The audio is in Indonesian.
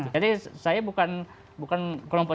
jadi saya bukan kelompok